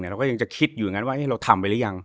เราก็คิดว่าเราทำไปแล้วยัง